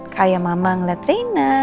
kayak mama ngeliat rena